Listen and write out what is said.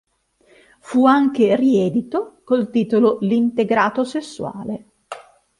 Fu anche riedito col titolo L'integrato sessuale.